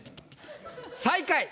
最下位。